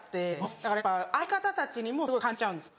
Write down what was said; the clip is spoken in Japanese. だからやっぱ相方たちにもすごい感じちゃうんですよ。